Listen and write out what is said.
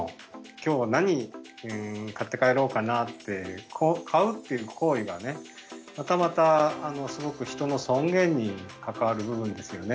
今日は何買って帰ろうかなって買うっていう行為がねまたまたすごく人の尊厳に関わる部分ですよね。